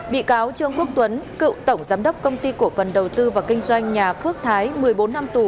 bị cáo trương quốc tuấn cựu tổng giám đốc công ty cổ phần đầu tư và kinh doanh nhà phước thái một mươi bốn năm tù